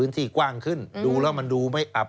สวัสดีครับคุณผู้ชมค่ะต้อนรับเข้าที่วิทยาลัยศาสตร์